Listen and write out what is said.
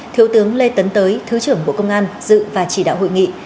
thiếu tướng lê tấn tới thứ trưởng bộ công an dự và chỉ đạo hội nghị